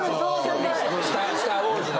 『スター・ウォーズ』の。